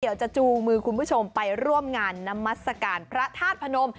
เดี๋ยวจะจูมือคุณผู้ชมไปร่วมงานน้ำมัศกาลพระธาตุพนม